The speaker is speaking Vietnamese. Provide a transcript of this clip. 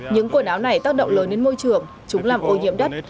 những quần áo này tác động lớn đến môi trường chúng làm ô nhiễm đất